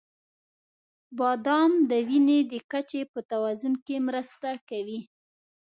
• بادام د وینې د کچې په توازن کې مرسته کوي.